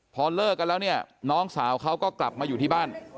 พอเลิกกันแล้วเนี่ยน้องสาวเขาก็กลับมาอยู่ที่บ้าน